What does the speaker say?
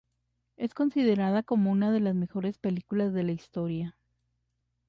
Es considerada como una de las mejores películas de la historia.